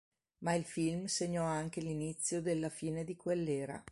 Ma il film segnò anche l'inizio della fine di quell'era.